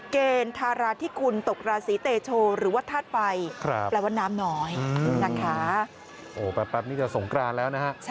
เกณฑ์ธาราธิกุลตกราศีเตโชหรือว่าทาดไปแปลว่าน้ำหน่อยนะคะ